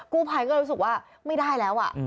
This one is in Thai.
กู้ภัยก็รู้สึกว่าไม่ได้แล้ว